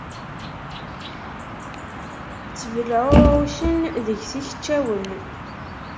Ttbelɛuεucen deg-s ikeččawen.